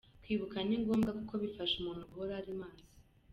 Kwibuka ni ngombwa kuko bifasha umuntu guhora maso.